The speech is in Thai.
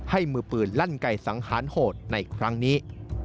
มือปืนลั่นไก่สังหารโหดในครั้งนี้